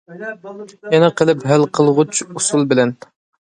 يەنە قېلىپ ھەل قىلغۇچ ئۇسۇل بىلەن.